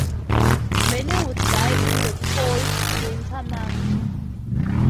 Many would die in the cold winter months.